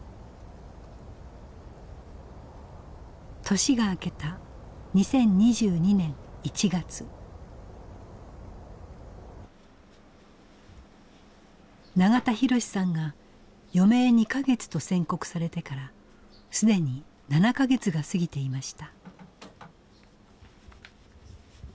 年が明けた永田博さんが余命２か月と宣告されてから既に７か月が過ぎていました。